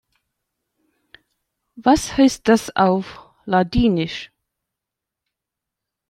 Was heißt das auf Ladinisch?